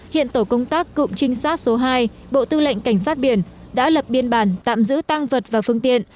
hiện tổ công tác cụm trinh sát số hai bộ tư lệnh cảnh sát biển đã lập biên bản tạm giữ tăng vật và phương tiện